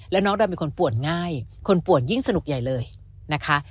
แล้วน้องดำเป็นคนป่วนง่ายคนป่วนยิ่งสนุกใหญ่เลยนะคะ